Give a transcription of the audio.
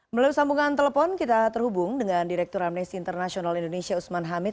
melalui sambungan telepon kita terhubung dengan direktur amnesty international indonesia usman hamid